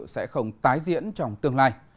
sẽ không tái diễn trong tương lai